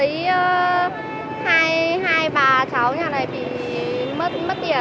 dạ tại vì em thấy hai bà cháu nhà này bị mất tiền rồi ạ